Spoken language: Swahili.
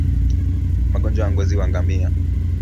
Magonjwa ya ngozi kwa ngamia